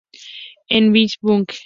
En "Is Paris Burning?